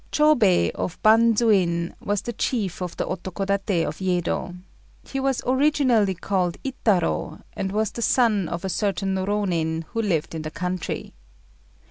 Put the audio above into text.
Chôbei of Bandzuin was the chief of the Otokodaté of Yedo. He was originally called Itarô, and was the son of a certain Rônin who lived in the country.